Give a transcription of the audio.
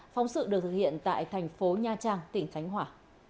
phóng sự được thực hiện tại thành phố nha trang tỉnh khánh hòa